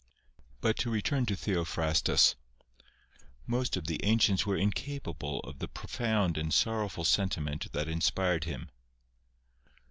But to return to Theophrastus. Most of the ancients were incapable of the profound and sorrowful sentiment that inspired him.